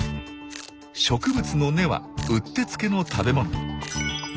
植物の根はうってつけの食べ物。